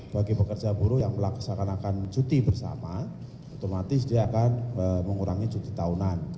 bagi pekerja buruh yang melaksanakan cuti bersama otomatis dia akan mengurangi cuti tahunan